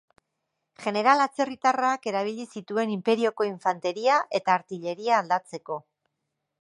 Jeneral atzerritarrak erabili zituen inperioko infanteria eta artilleria aldatzeko.